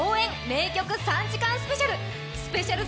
名曲３時間スペシャル」